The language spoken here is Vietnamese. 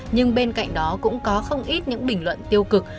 nhưng bên cạnh đó cũng có không ít những bình luận tiêu cực